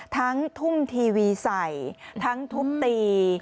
ทุ่มทีวีใส่ทั้งทุบตี